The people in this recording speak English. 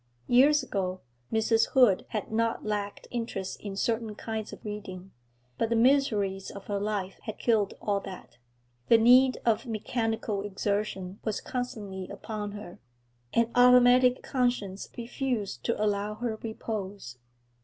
Years ago, Mrs. Hood had not lacked interest in certain kinds of reading, but the miseries of her life had killed all that; the need of mechanical exertion was constantly upon her; an automatic conscience refused to allow her repose.